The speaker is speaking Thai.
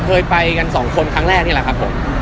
เคยไปกันสองคนครั้งแรกนี่แหละครับผม